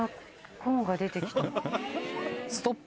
コーンが出てきた。